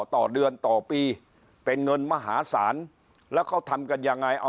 ต่อเดือนต่อปีเป็นเงินมหาศาลแล้วเขาทำกันยังไงเอา